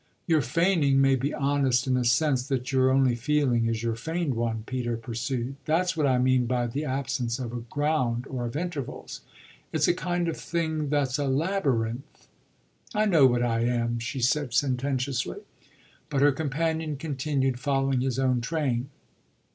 "Your feigning may be honest in the sense that your only feeling is your feigned one," Peter pursued. "That's what I mean by the absence of a ground or of intervals. It's a kind of thing that's a labyrinth!" "I know what I am," she said sententiously. But her companion continued, following his own train.